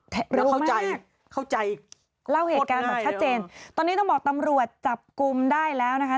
แล้วเข้าใจเข้าใจเล่าเหตุการณ์แบบชัดเจนตอนนี้ต้องบอกตำรวจจับกลุ่มได้แล้วนะคะ